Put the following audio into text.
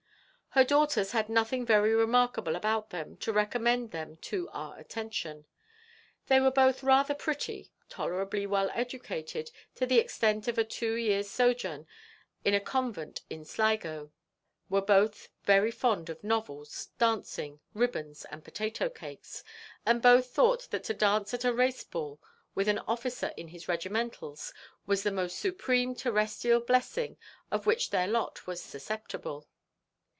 Her daughters had nothing very remarkable about them to recommend them to our attention: they were both rather pretty, tolerably well educated, to the extent of a two years' sojourn in a convent in Sligo; were both very fond of novels, dancing, ribbons and potato cakes; and both thought that to dance at a race ball with an officer in his regimentals was the most supreme terrestrial blessing of which their lot was susceptible.